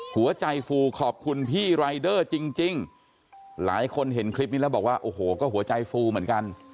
หัวใจฟูขอบคุณพี่รายเดอร์จริงหลายคนเห็นคลิปนี้แล้วบอกว่าโอ้โหก็หัวใจฟูเหมือนกัน